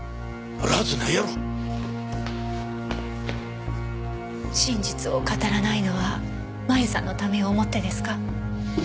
真実を語らないのは麻由さんのためを思ってですか？